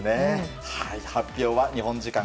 発表は日本時間